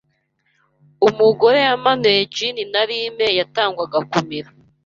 Umugore yamanuye gin na lime yatangwaga kumira.